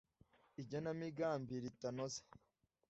igenamigambi ritanoze